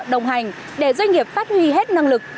đồng hành để doanh nghiệp phát huy hết năng lực